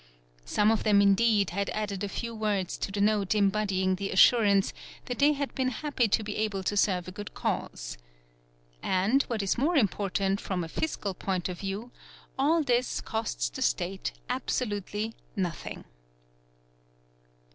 Some of them indeed had added a few words to the note mbodying the assurance that they had been happy to be able to serve a ood cause. And, what is more important from a fiscal point of view, all his costs the State absolutely nothing.